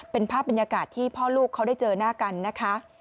เป็นภาพบรรยากาศที่พ่อลูกเขาได้เจอหน้ากันนะคะ